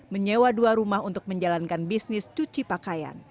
menyewa dua rumah untuk menjalankan bisnis cuci pakaian